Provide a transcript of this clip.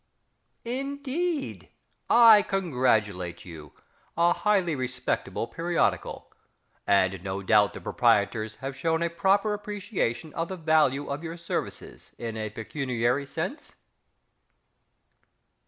Indeed? I congratulate you a highly respectable periodical. And no doubt the proprietors have shown a proper appreciation of the value of your services, in a pecuniary sense?...